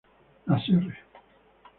La Serre